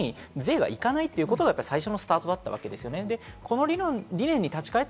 そこに税がいかないということが最初のスタートだったわけですよね。